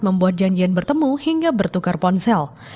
membuat janjian bertemu hingga bertukar ponsel